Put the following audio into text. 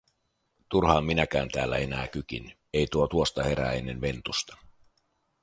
Turhaa minäkään enää täällä kykin, ei tuo tuosta herää ennen Ventusta.